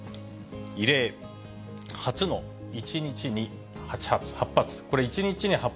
異例、初の１日に８発。